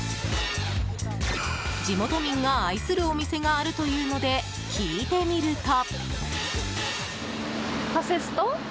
地元民が愛するお店があるというので聞いてみると。